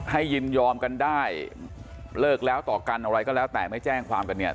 ยินยอมกันได้เลิกแล้วต่อกันอะไรก็แล้วแต่ไม่แจ้งความกันเนี่ย